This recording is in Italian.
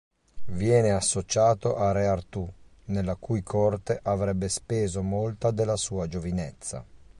Viene associato a re Artù, nella cui corte avrebbe speso molta della sua giovinezza.